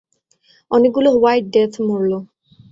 অনেকগুলো white death মরলো।